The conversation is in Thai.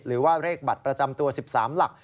หรือว่าเลขบัตรประจำตัว๑๓หลัก